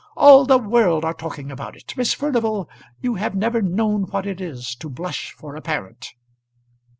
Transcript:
"All the world are talking about it. Miss Furnival, you have never known what it is to blush for a parent."